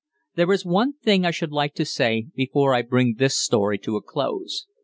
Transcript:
There is one other thing I should like to say before I bring this story to a close.